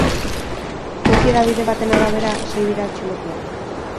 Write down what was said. Toki hedabide baten arabera, sei dira atxilotuak.